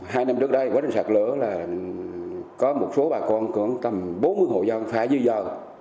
hai năm trước đây quá trình sạt lở là có một số bà con tầm bốn mươi hội dân phải dư dò